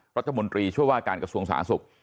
รัฐมนตรีช่วยว่าการกระทรวงสาสก